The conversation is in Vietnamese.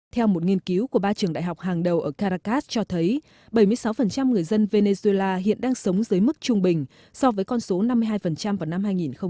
theo một nghiên cứu của ba trường đại học hàng đầu ở caracas cho thấy bảy mươi sáu người dân venezuela hiện đang sống dưới mức trung bình so với con số năm mươi hai vào năm hai nghìn một mươi